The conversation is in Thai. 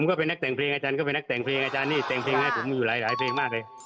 ก็เป็นนักแทงเพลงอาจารย์นี่แทงเพลงให้ผมอยู่หลายเพลงมากเลย